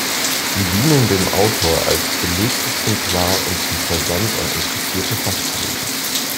Sie dienen dem Autor als Belegexemplar und zum Versand an interessierte Fachkollegen.